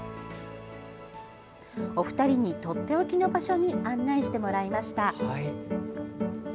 お二人に、とっておきの場所に案内してもらいました。